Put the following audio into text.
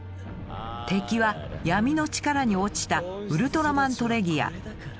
敵は闇の力に落ちたウルトラマントレギア。